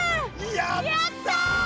やった！